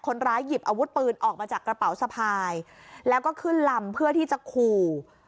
คนร้ายหยิบอาวุธปืนออกมาจากกระเป๋าสะพายแล้วก็ขึ้นลำเพื่อที่จะขู่